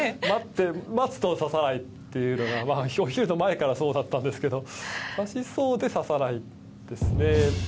待つと指さないっていうのが、お昼の前からそうだったんですけど、指しそうで指さないですね。